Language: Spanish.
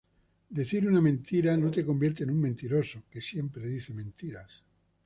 Decir una mentira no te convierte en un mentiroso que siempre dice mentiras.